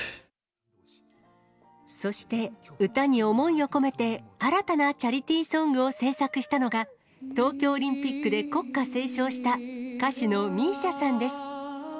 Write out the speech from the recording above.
そして、歌に想いを込めて、新たなチャリティーソングを制作したのが、東京オリンピックで国歌斉唱した歌手のＭＩＳＩＡさんです。